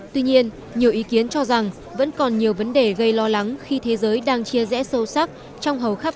tuy nhiên nhiều ý kiến cho rằng vẫn còn nhiều vấn đề gây lo lắng khi thế giới đang chia rẽ sâu sắc